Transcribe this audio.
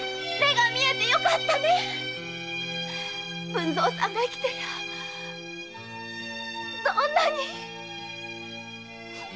文造さんが生きてりゃどんなに。